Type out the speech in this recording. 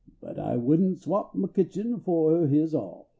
But I wouldn t swap niah kitchen fo his all